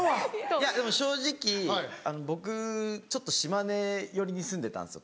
いやでも正直僕ちょっと島根寄りに住んでたんですよ